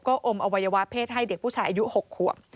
ก็อมอวัยวะเพศให้เด็กผู้ชายอายุ๖ขวบ